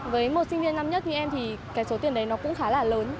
với một sinh viên năm nhất như em thì cái số tiền đấy nó cũng khá là lớn